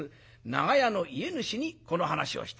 長屋の家主にこの話をした。